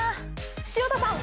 潮田さん！